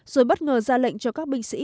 rồi bất ngờ ra lệnh cho các binh sĩ